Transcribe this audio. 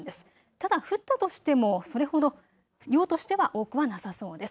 ただ降ったとしても、それほど量としては多くはなさそうです。